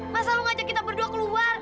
masa lalu ngajak kita berdua keluar